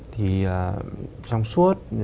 thì trong suốt